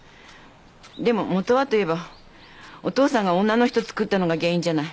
でも本はといえばお父さんが女の人つくったのが原因じゃない。